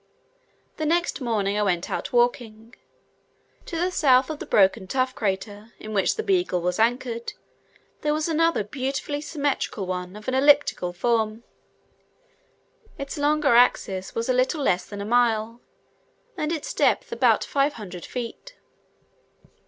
The next morning I went out walking. To the south of the broken tuff crater, in which the Beagle was anchored, there was another beautifully symmetrical one of an elliptic form; its longer axis was a little less than a mile, and its depth about 500 feet.